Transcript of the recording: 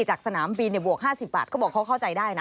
จากสนามบินบวก๕๐บาทเขาบอกเขาเข้าใจได้นะ